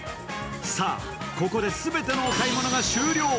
さあ、ここで全てのお買い物が終了。